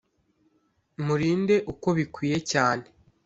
murinde uko bikwiye cyane